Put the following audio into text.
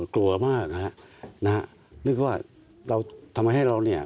กลัวมากนะฮะนึกว่าเราทำไมให้เราเนี่ย